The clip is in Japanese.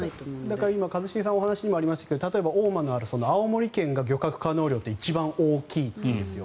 だから今一茂さんのお話にもありましたが大間のある青森県は漁獲可能量って一番大きいんですよ。